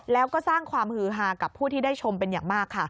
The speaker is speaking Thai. แล้วก็สร้างความฮือฮากับผู้ที่ได้ชมเป็นอย่างมากค่ะ